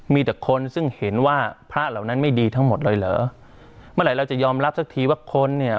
มีแต่คนซึ่งเห็นว่าพระเหล่านั้นไม่ดีทั้งหมดเลยเหรอเมื่อไหร่เราจะยอมรับสักทีว่าคนเนี่ย